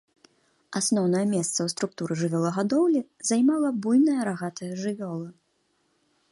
Асноўнае месца ў структуры жывёлагадоўлі займала буйная рагатая жывёла.